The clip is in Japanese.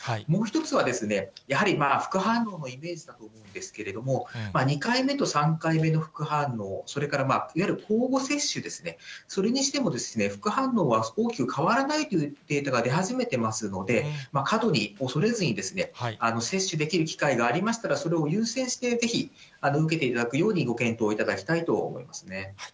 もう１つは、やはり副反応のイメージだと思うんですけれども、２回目と３回目の副反応、それからいわゆる交互接種ですね、それにしても副反応は大きく変わらないというデータが出始めていますので、過度に恐れずに、接種できる機会がありましたら、それを優先してぜひ受けていただくようにご検討いただきたいと思いますね。